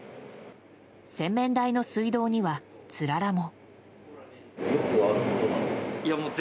洗面台の水道には、つららも。